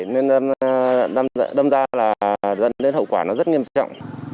nên đâm ra là dẫn đến hậu quả nó rất nghiêm trọng